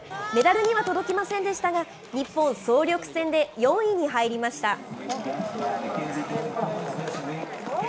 メダルには届きませんでしたが、日本、総力戦で４位に入りました。